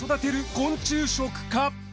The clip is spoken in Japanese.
昆虫食か。